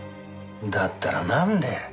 だったらなんで。